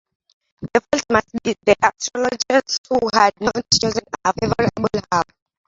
The fault must be in the astrologers who had not chosen a favorable hour.